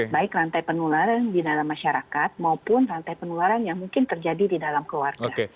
baik rantai penularan di dalam masyarakat maupun rantai penularan yang mungkin terjadi di dalam keluarga